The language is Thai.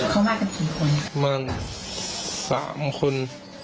เขามากันกี่คนมาน่ะสามคน